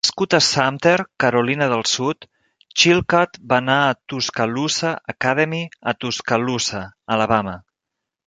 Nascut a Sumter, Carolina del Sud, Chilcutt va anar a Tuscaloosa Academy a Tuscaloosa, Alabama.